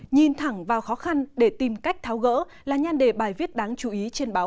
nhìn thẳng vào khó khăn để tìm cách tháo gỡ là nhan đề bài viết đáng chú ý